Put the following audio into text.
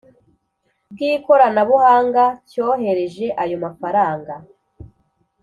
Bw ikoranabuhanga cyohereje ayo mafaranga